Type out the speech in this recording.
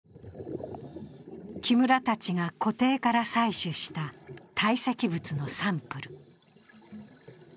木村たちが湖底から採取した堆積物のサンプル。